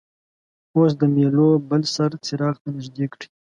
اوس د میلو بل سر څراغ ته نژدې کړئ.